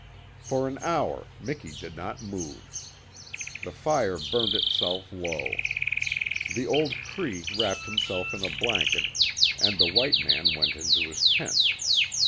For an hour Miki did not move. The fire burned itself low. The old Cree wrapped himself in a blanket, and the white man went into his tent.